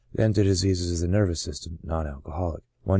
than to dis eases of the nervous system — non alcoholic (i D.